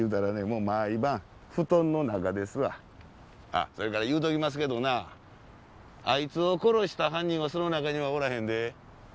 あっそれから言うときますけどなあいつを殺した犯人はその中にはおらへんで。